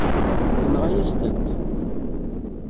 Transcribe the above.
Tenɣa-yas-tent.